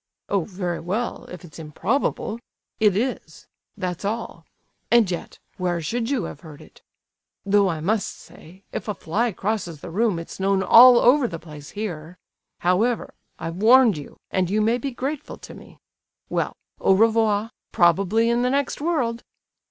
"Oh, very well! if it's improbable—it is—that's all! And yet—where should you have heard it? Though I must say, if a fly crosses the room it's known all over the place here. However, I've warned you, and you may be grateful to me. Well—au revoir—probably in the next world!